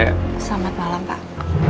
selamat malam pak